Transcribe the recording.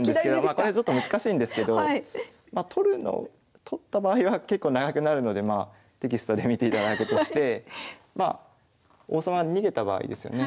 これちょっと難しいんですけど取った場合は結構長くなるのでテキストで見ていただいたとして王様逃げた場合ですよね。